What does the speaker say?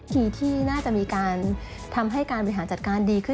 ทีที่น่าจะมีการทำให้การบริหารจัดการดีขึ้น